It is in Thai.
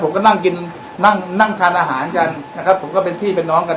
ผมก็นั่งกินนั่งนั่งทานอาหารกันนะครับผมก็เป็นพี่เป็นน้องกัน